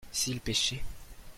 s'ils pêchaient.